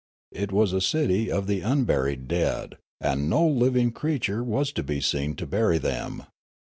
It was a city of the unburied dead, and no living creature was to be seen to bury them.